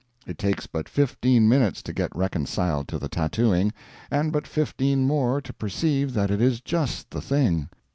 It takes but fifteen minutes to get reconciled to the tattooing, and but fifteen more to perceive that it is just the thing.